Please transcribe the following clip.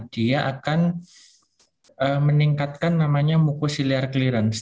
dia akan meningkatkan namanya mukosiliar clearance